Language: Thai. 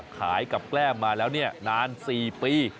ขายกับแก้มมาแล้วนาน๔ปี